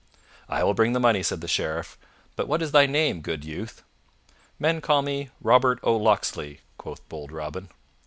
"I will bring the money," said the Sheriff. "But what is thy name, good youth?" "Men call me Robert o' Locksley," quoth bold Robin.